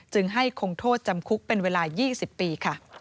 ให้คงโทษจำคุกเป็นเวลา๒๐ปีค่ะ